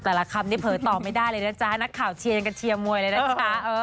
คำนี้เผลอตอบไม่ได้เลยนะจ๊ะนักข่าวเชียร์ยังกันเชียร์มวยเลยนะคะ